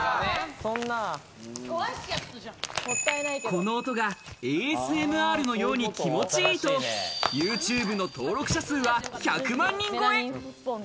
この音がＡＳＭＲのように気持ちいい！と、ＹｏｕＴｕｂｅの登録者数は１００万人超え。